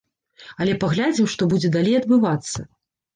Але паглядзім, што будзе далей адбывацца.